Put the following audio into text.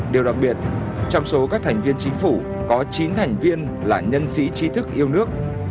điều đặc biệt trong số các thành viên chính phủ có chín thành viên là nhân sĩ trí thức yêu nước